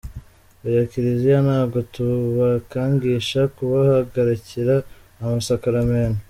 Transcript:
Oya kiliziya ntabwo tubakangisha kubahagarikira amasakaramentu.